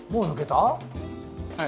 はい。